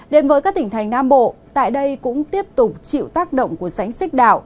đến với các tỉnh thành nam bộ tại đây cũng tiếp tục chịu tác động của sánh xích đạo